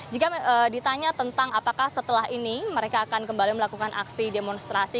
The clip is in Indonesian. jika ditanya tentang apakah setelah ini mereka akan kembali melakukan aksi demonstrasi